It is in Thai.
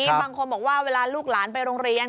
บางคนบอกว่าเวลาลูกหลานไปโรงเรียน